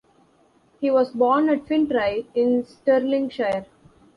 He was born at Fintry in Stirlingshire.